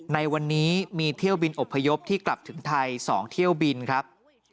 ในวันนี้มีเที่ยวบินอพยพที่กลับถึงไทย๒เที่ยวบินครับ